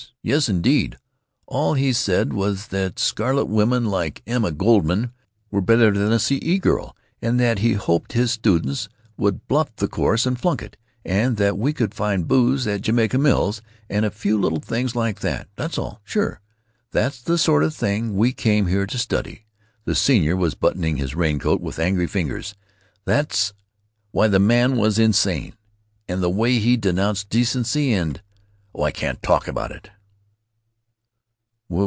Yes indeed! All he said was that scarlet women like Emma Goldman were better than a C. E. girl, and that he hoped his students would bluff the course and flunk it, and that we could find booze at Jamaica Mills, and a few little things like that. That's all. Sure! That's the sort of thing we came here to study." The senior was buttoning his raincoat with angry fingers. "That's——Why, the man was insane! And the way he denounced decency and——Oh, I can't talk about it!"